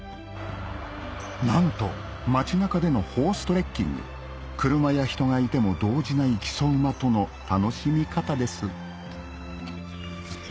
なんと町中でのホーストレッキング車や人がいても動じない木曽馬との楽しみ方です